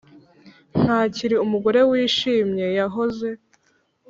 ] ntakiri umugore wishimye yahoze.